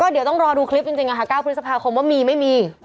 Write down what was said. เดี๋ยวต้องรอดูคลิปจริง๙พฤษภาคมว่ามีไม่มี